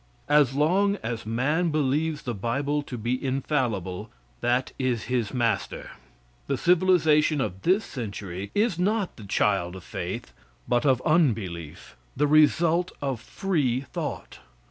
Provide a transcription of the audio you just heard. As long as man believes the bible to be infallible, that is his master. The civilization of this century is not the child of faith, but of unbelief the result of free thought.